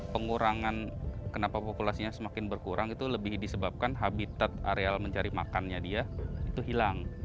pengurangan kenapa populasinya semakin berkurang itu lebih disebabkan habitat areal mencari makannya dia itu hilang